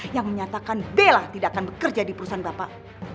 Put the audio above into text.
yang menyatakan bella tidak akan bekerja di perusahaan bapak